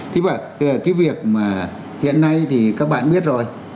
thế và cái việc mà hiện nay thì các bạn biết rồi